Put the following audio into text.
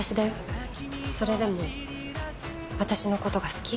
それでも私の事が好き？